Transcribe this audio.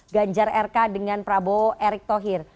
ganjar rk dengan prabowo erick thohir